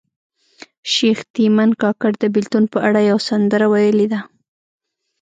شیخ تیمن کاکړ د بیلتون په اړه یوه سندره ویلې ده